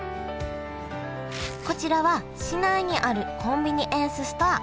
こちらは市内にあるコンビニエンスストア